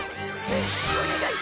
お願い。